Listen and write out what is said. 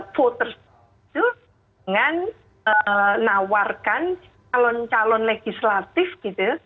voters itu dengan nawarkan calon calon legislatif gitu